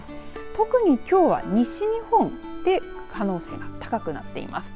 特にきょうは、西日本で可能性が高くなっています。